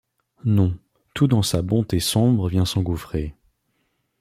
Non, tout dans sa bonté sombre vient s’engouffrer.